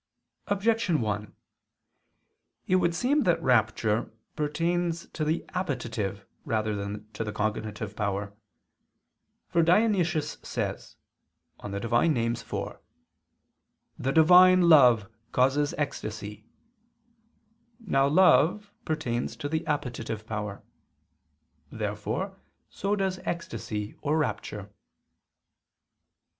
Objection 1: It would seem that rapture pertains to the appetitive rather than to the cognitive power. For Dionysius says (Div. Nom. iv): "The Divine love causes ecstasy." Now love pertains to the appetitive power. Therefore so does ecstasy or rapture.